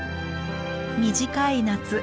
短い夏